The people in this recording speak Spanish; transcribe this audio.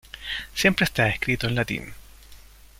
Siempre está escrito en latín.